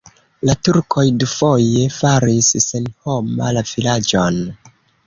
La turkoj dufoje faris senhoma la vilaĝon.